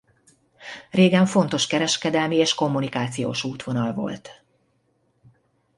Régen fontos kereskedelmi és kommunikációs útvonal volt.